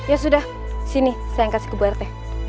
ya sudah sini saya kasih ke ibu rt